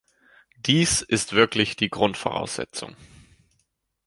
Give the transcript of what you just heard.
Dies ist wirklich die Grundvoraussetzung.